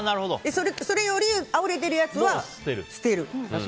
それよりあふれ出るやつは捨てる。